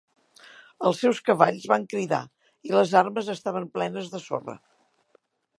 Els seus cavalls van cridar, i les armes estaven plenes de sorra.